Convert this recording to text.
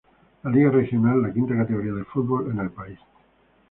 Liga Regional, la quinta categoría de fútbol en el país.